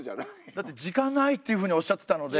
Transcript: だって時間ないっていうふうにおっしゃってたので。